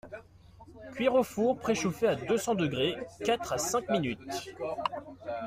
Cuire au four préchauffé à deux-cents degrés, quatre à cinq minutes.